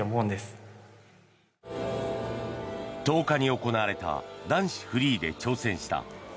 １０日に行われた男子フリーで挑戦した